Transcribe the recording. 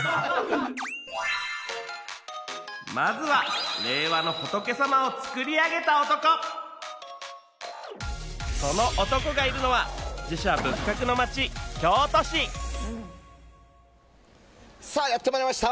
まずは令和の仏さまを作り上げた男その男がいるのは寺社仏閣の町京都市さあやってまいりました。